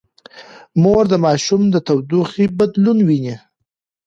مور د ماشوم د تودوخې بدلون ويني.